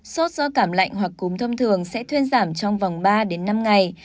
sốt do cảm lạnh hoặc cúm thông thường sẽ thuyên giảm trong vòng ba năm ngày